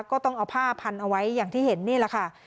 ก็ต้องเอาผ้าพันเอาไว้อย่างที่เห็นนี่แหละค่ะ